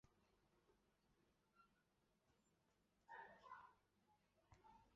有时黑喉响蜜䴕还会跟随一些哺乳动物和鸟类一同捕捉昆虫。